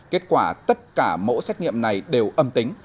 kết quả tất cả mẫu xét nghiệm này đều âm tính